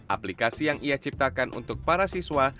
aplikasi yang ia ciptakan untuk para siswa